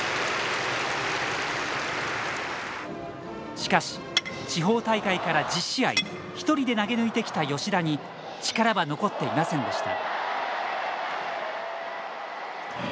しかし、地方大会から１０試合１人で投げ抜いてきた吉田に力は残っていませんでした。